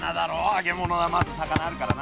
揚げ物はまず魚あるからな。